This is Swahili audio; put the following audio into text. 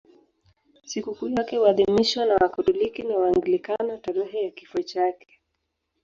Sikukuu yake huadhimishwa na Wakatoliki na Waanglikana tarehe ya kifo chake.